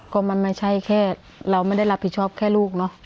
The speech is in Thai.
ก็มันไม่ใช่แค่เราไม่ได้รับผิดชอบแค่ลูกเนอะ